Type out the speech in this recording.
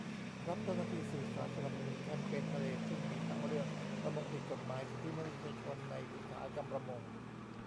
รับเจ้าหน้าที่สื่อสารสนับสนุนแคมเปญทะเล ซึ่งมีทั้งเรื่องประมงผิดกฎหมาย สิทธิมนุษยชนในอุตสาหกรรมประมง